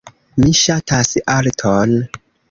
Mi ŝatas arton.